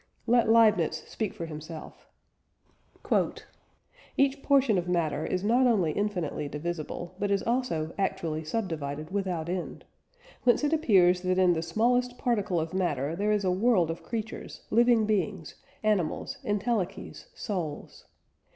Let Leibniz speak for himself: "Each portion of matter is not only infinitely divisible, but is also actually subdivided without end.... Whence it appears that in the smallest particle of matter there is a world of creatures, living beings, animals, entelechies, souls.